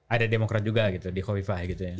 ada demokrat juga gitu di kofifa gitu ya